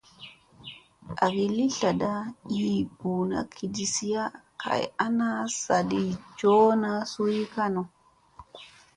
An tli laaɗa ii ɓuuna kiɗisiya kay ana saaɗi coɗa suy kanu.